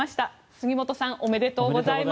杉本さんおめでとうございます。